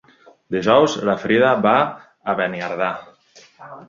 Dijous na Frida va a Beniardà.